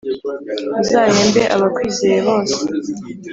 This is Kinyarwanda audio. Uzahembe abakwizeye bose